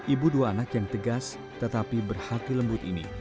ibu dua anak yang tegas tetapi berhati lembut ini